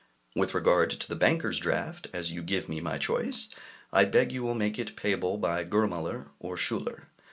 With regard to the banker's draft, as you give me my choice, I beg you will make it payable by Germüller or Schüller.